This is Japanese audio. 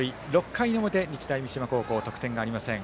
６回の表、日大三島高校得点がありません。